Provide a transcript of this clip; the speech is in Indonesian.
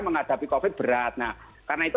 menghadapi covid berat nah karena itu